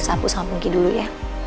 dewi ambil sapu sama pungki dulu ya